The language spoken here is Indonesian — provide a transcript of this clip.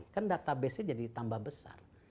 kan databasenya jadi tambah besar